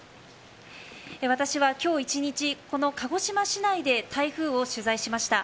私は今日一日、この鹿児島市内で台風を取材しました。